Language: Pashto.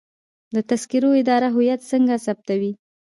د تذکرو اداره هویت څنګه تثبیتوي؟